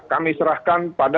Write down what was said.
kami serahkan pada